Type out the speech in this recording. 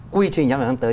quy trình năm tới